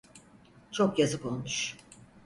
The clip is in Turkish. Çok yazık olmuş.